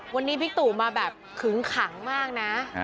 วันนี้บิ๊กตู่มาแบบขึงขังมากนะ